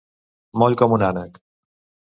Moll com un ànec.